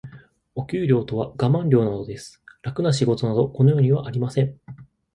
お給料とはガマン料なのです。楽な仕事など、この世にはありません。